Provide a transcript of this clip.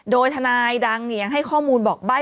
โดยทนายดังให้ข้อมูลบอกใบ้